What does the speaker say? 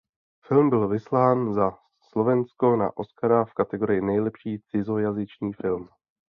Film byl vyslán za Slovensko na Oscara v kategorii nejlepší cizojazyčný film.